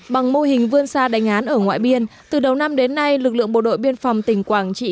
bằng mô hình vươn xa đánh án ở ngoại biên từ đầu năm đến nay lực lượng bộ đội biên phòng tỉnh quảng trị